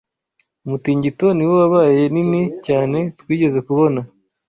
Umutingito ni wo wabaye nini cyane twigeze kubona.